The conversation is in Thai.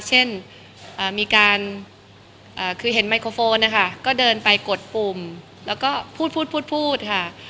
เช่นมีการคือเห็นไมโครโฟนนะคะก็เดินไปกดปุ่มแล้วก็พูดพูดค่ะ